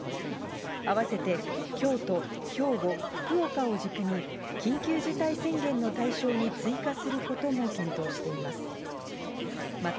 併せて京都、兵庫、福岡を軸に、緊急事態宣言の対象に追加することも検討しています。